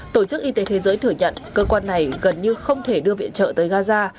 tổ chức y tế thế giới thừa nhận cơ quan này gần như không thể đưa viện trợ tới gaza